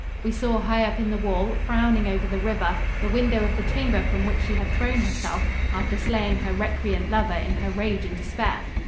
We saw high up in the wall, frowning over the river, the window of the chamber from which she had thrown herself after slaying her recreant lover in her rage and despair.